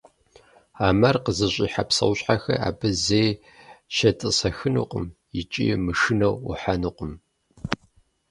А мэр къызыщӏихьэ псэущхьэхэр абы зэи щетӏысэхынукъым икӏи, мышынэу, ӏухьэнукъым.